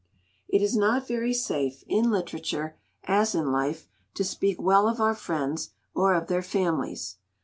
It is not very safe, in literature as in life, to speak well of our friends or of their families.